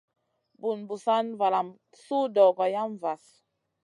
Bun Busana valam su dogo yam vahl.